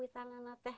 tidak tahu apa